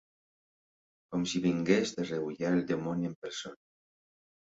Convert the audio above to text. Com si vingués de reüllar el dimoni en persona.